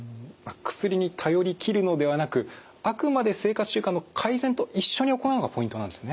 薬に頼り切るのではなくあくまで生活習慣の改善と一緒に行うのがポイントなんですね。